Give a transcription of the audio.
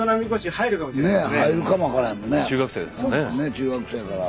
中学生やから。